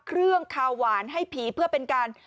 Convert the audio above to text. เครื่องคาวานให้ผีเพื่อเป็นการ